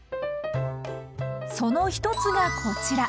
その一つがこちら。